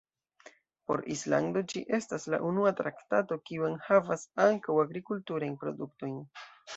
Por Islando, ĝi estas la unua traktato, kiu enhavas ankaŭ agrikulturajn produktojn.